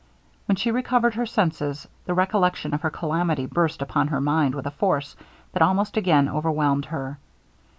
When she recovered her senses, the recollection of her calamity burst upon her mind with a force that almost again overwhelmed her.